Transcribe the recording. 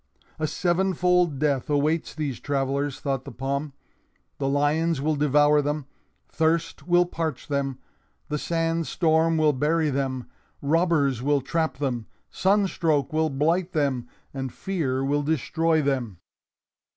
"A seven fold death awaits these travelers," thought the palm. "The lions will devour them, thirst will parch them, the sand storm will bury them, robbers will trap them, sunstroke will blight them, and fear will destroy them."